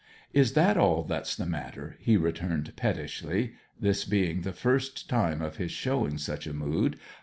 'Is that all that's the matter?' he returned pettishly (this being the first time of his showing such a mood).